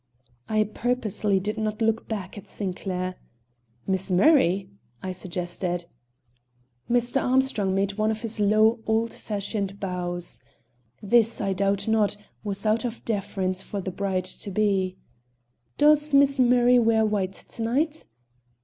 I purposely did not look back at Sinclair. "Miss Murray?" I suggested. Mr. Armstrong made one of his low, old fashioned bows. This, I doubt not, was out of deference to the bride to be. "Does Miss Murray wear white to night?"